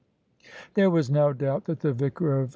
There was no doubt that the Vicar of S.